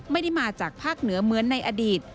ไม่ได้มาจากภาคเหนือเหมือนในอดีต